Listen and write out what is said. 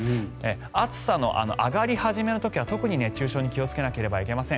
暑さの上がり始めの時は特に熱中症に気をつけなければいけません。